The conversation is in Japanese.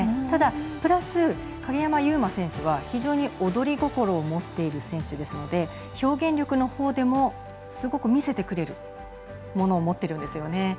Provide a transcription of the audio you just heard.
ただ、プラス鍵山優真選手は非常に踊り心を持っている選手ですので表現力のほうでもすごく見せてくれるものを持ってるんですよね。